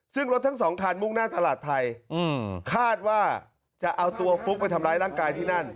ซึ่งรถทั้งสองคันมุ่งหน้าตลาดไทยคาดว่าจะเอาตัวฟุ๊กไปทำร้ายร่างกายที่นั่น